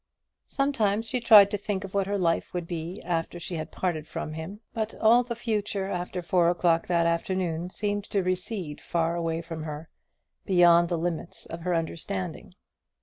Sometimes she tried to think of what her life would be after she had parted from him; but all the future after four o'clock that afternoon seemed to recede far away from her, beyond the limits of her understanding.